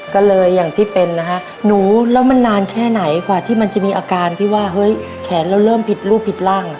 ก็เลยอย่างที่เป็นนะคะหนูแล้วมันนานแค่ไหนกว่าที่มันจะมีอาการที่ว่าเฮ้ยแขนเราเริ่มผิดรูปผิดร่าง